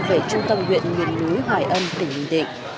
về trung tâm huyện nguyễn lúi hải âm tỉnh bình định